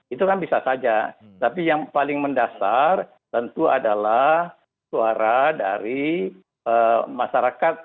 itu kan bisa saja tapi yang paling mendasar tentu adalah suara dari masyarakat